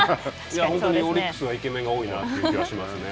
本当にオリックスはイケメンが多いなという気はしますね。